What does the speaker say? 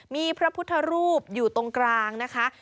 มีพระพุทธรูปอยู่ตรงกลางนะคะ